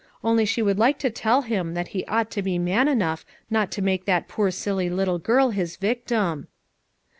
only she would like to tell him that he ought to be man enough not to make that poor silly little girl his victim.